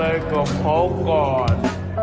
เป็นอะไรกับเขาก่อน